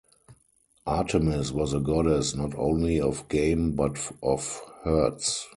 Artemis was a goddess not only of game but of herds.